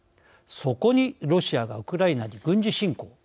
そこにロシアがウクライナに軍事侵攻。